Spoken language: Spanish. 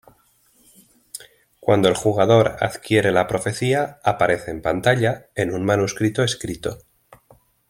Cuando el jugador adquiere la profecía, aparece en pantalla en un manuscrito escrito.